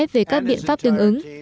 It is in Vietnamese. về các biện pháp tương ứng